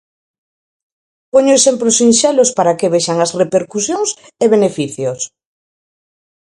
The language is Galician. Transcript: Poño exemplos sinxelos para que vexan as repercusións e beneficios.